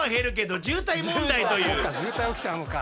そっか渋滞起きちゃうのか。